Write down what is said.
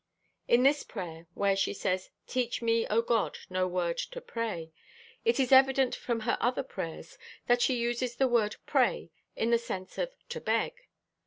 In this prayer, where she says "Teach me, O God, no word to pray," it is evident from her other prayers that she uses the word pray in the sense of "to beg."